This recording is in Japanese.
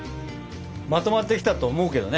まとまってきたと思うけどね。